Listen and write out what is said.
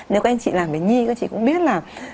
nếu các anh chị làm về nhi các chị cũng biết là